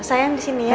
sayang di sini ya